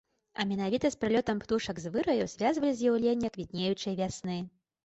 А менавіта з прылётам птушак з выраю звязвалі з'яўленне квітнеючай вясны.